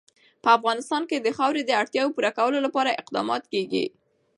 په افغانستان کې د خاوره د اړتیاوو پوره کولو لپاره اقدامات کېږي.